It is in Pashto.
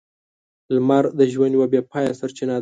لمر د ژوند یوه بې پايه سرچینه ده.